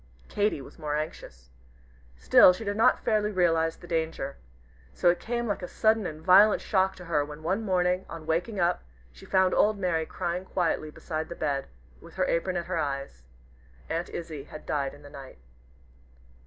Katy was more anxious. Still she did not fairly realize the danger. So it came like a sudden and violent shock to her, when, one morning on waking up, she found old Mary crying quietly beside the bed, with her apron at her eyes. Aunt Izzie had died in the night!